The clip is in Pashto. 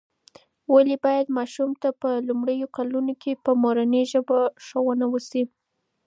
ولې باید ماشوم ته په لومړیو کلونو کې په مورنۍ ژبه ښوونه وسي؟